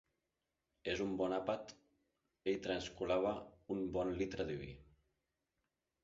En un bon àpat, ell trascolava un bon litre de vi.